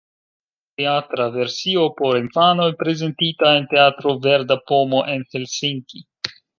Teatra versio por infanoj, prezentita en teatro Verda Pomo en Helsinki.